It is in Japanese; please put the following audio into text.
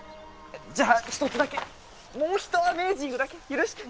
じゃあ１つだけもう１アメージングだけ許して。